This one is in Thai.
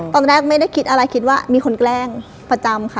ตอนแรกไม่ได้คิดอะไรคิดว่ามีคนแกล้งประจำค่ะ